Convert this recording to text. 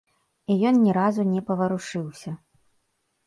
І ён ні разу не паварушыўся.